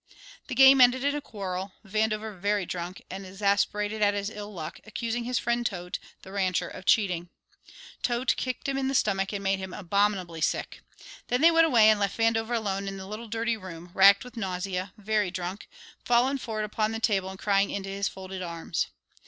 The game ended in a quarrel, Vandover, very drunk, and exasperated at his ill luck, accusing his friend Toedt, the rancher, of cheating. Toedt kicked him in the stomach and made him abominably sick. Then they went away and left Vandover alone in the little dirty room, racked with nausea, very drunk, fallen forward upon the table and crying into his folded arms.